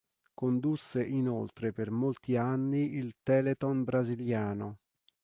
Condusse inoltre per molti anni il Telethon brasiliano.